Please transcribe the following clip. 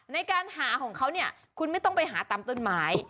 ในการหาของเขาเนี่ยคุณไม่ต้องไปหาตามต้นไม้